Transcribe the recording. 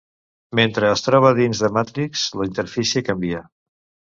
Mentre es troba dins de Matrix, la interfície canvia.